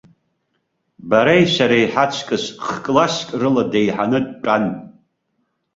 Бареи сареи ҳаҵкыс х-класск рыла деиҳаны дтәан.